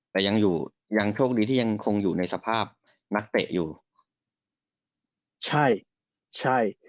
แต่ยังอยู่ยังโชคดีที่ยังคงอยู่ในสภาพนักเตะอยู่ใช่ใช่